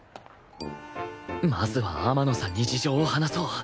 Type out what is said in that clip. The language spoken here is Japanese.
まずは天野さんに事情を話そう